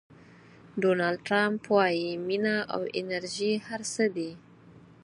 ډونالډ ټرمپ وایي مینه او انرژي هر څه دي.